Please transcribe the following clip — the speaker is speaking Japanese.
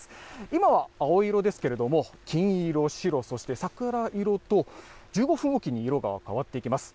今は青色ですけれども、黄色、白、そして桜色と、１５分置きに色が変わっていきます。